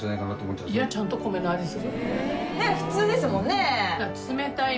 普通ですもんね。